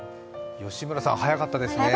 吉村さん早かったですね。